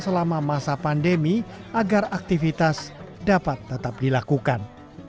selama masa pandemi agar aktivitas dapat tetap dilakukan